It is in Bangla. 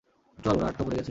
চল, ওরা আটকা পড়ে গেছে।